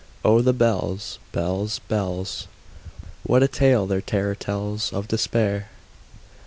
Oh, the bells, bells, bells! What a tale their terror tells Of Despair!